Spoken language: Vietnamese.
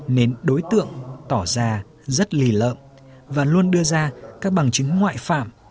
nên đối tượng tỏ ra rất lì lợm và luôn đưa ra các bằng chứng ngoại phạm